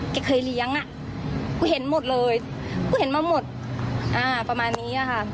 แกเคยเลี้ยงอ่ะกูเห็นหมดเลยกูเห็นมาหมดอ่าประมาณนี้อะค่ะ